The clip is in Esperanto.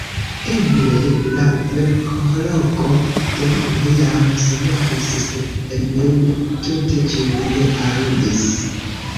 Eble la vekhorloĝo delonge jam sonoris, sed Emil tute ĝin ne aŭdis.